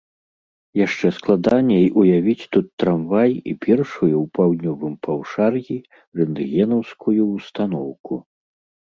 Яшчэ складаней уявіць тут трамвай і першую ў паўднёвым паўшар'і рэнтгенаўскую ўстаноўку.